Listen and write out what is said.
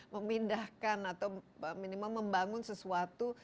memindahkan atau minimal membangun sesuatu